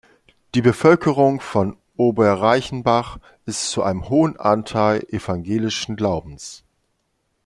Die Bevölkerung von Oberreichenbach ist zu einem hohen Anteil evangelischen Glaubens.